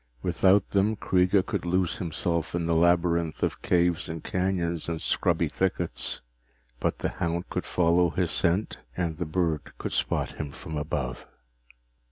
Without them, Kreega could lose himself in the labyrinth of caves and canyons and scrubby thickets but the hound could follow his scent and the bird could spot him from above.